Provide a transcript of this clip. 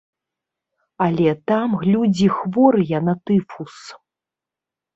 Але там людзі хворыя на тыфус.